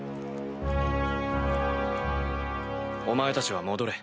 お前たちは戻れ。